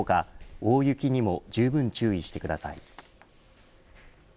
大雪にもじゅうぶん注意してください。